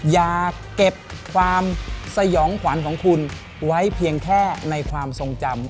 อย่าเก็บความสยองขวัญของคุณไว้เพียงแค่ในความทรงจำ